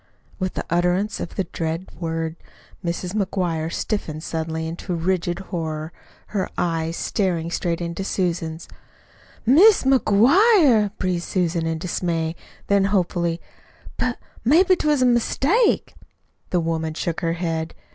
With the utterance of the dread word Mrs. McGuire stiffened suddenly into rigid horror, her eyes staring straight into Susan's. "MIS' MCGUIRE!" breathed Susan in dismay; then hopefully, "But maybe 'twas a mistake." The woman shook her head.